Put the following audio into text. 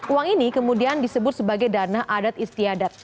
uang ini kemudian disebut sebagai dana adat istiadat